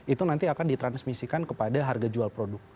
itu nanti akan ditransmisikan kepada harga jual produk